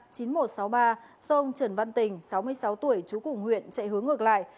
do ông trần văn tình sáu mươi sáu tuổi chú củng huyện chạy hướng ngược lại